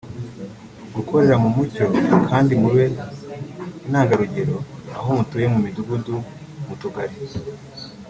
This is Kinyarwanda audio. gukorera mu mucyo kandi mube intangarugero aho mutuye mu midugudu mu tugari